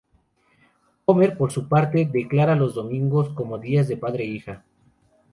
Homer, por su parte, declara los domingos como días de "padre e hija".